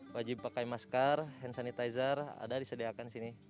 wajib pakai masker hand sanitizer ada disediakan di sini